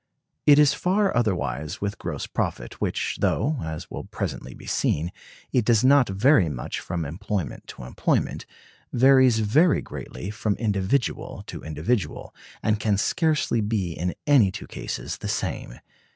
It is far otherwise with gross profit, which, though (as will presently be seen) it does not vary much from employment to employment, varies very greatly from individual to individual, and can scarcely be in any two cases the same.